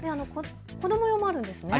子ども用もあるんですね。